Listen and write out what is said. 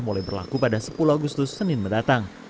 mulai berlaku pada sepuluh agustus senin mendatang